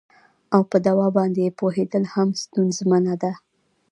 او په دوا باندې یې پوهیدل هم ستونزمنه ده